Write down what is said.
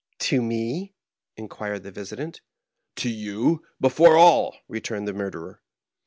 "To me?" inquired the visitant. "To you before aU," returned the murderer.